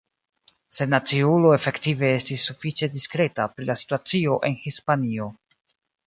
Sennaciulo efektive estis sufiĉe diskreta pri la situacio en Hispanio.